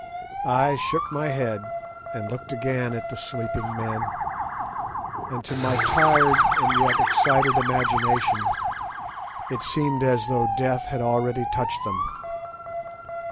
I shook my head and looked again at the sleeping men, and to my tired and yet excited imagination it seemed as though Death had already touched them.